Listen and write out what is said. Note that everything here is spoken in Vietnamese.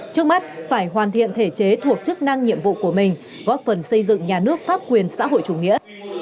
trước mắt phải hoàn thiện thể chế thuộc chức năng nhiệm vụ của mình góp phần xây dựng nhà nước pháp quyền xã hội chủ nghĩa